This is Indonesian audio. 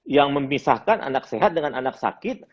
yang memisahkan anak sehat dengan anak sakit